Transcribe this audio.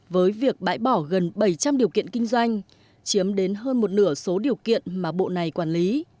với việc bãi bỏ gần bảy trăm linh điều kiện kinh doanh chiếm đến hơn một nửa số điều kiện mà bộ này quản lý